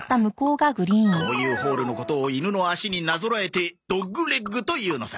こういうホールのことを犬の脚になぞらえて「ドッグレッグ」というのさ！